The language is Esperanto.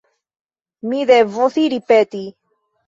Mi devos iri peti!